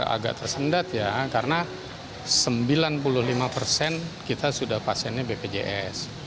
agak tersendat ya karena sembilan puluh lima persen kita sudah pasiennya bpjs